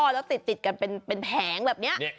แล้วติดกันเป็นแผงแบบนี้